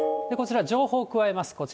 こちら、情報を加えます。